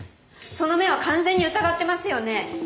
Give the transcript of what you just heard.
その目は完全に疑ってますよね？